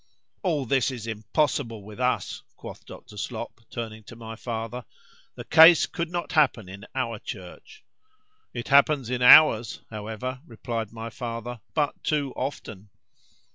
[All this is impossible with us, quoth Dr. Slop, turning to my father,—the case could not happen in our church.—It happens in ours, however, replied my father, but too often.